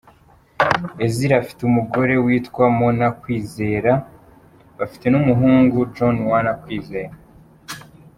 Ezra afite umugore witwa Mona Kwizera bafite n’umuhungu John Werner Kwizera.